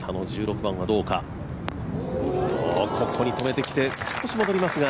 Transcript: ここに止めてきて少し戻りますが。